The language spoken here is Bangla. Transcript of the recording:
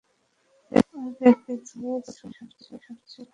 ঐ ব্যাক্তি, যে সঞ্জুকে সবচেয়ে ভালো চিনে!